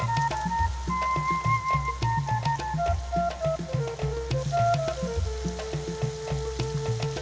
nanti kita mau ke manapun di dalam rumah itu kuncinya sudah ada